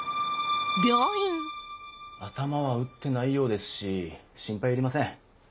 頭は打ってないようですし心配いりません。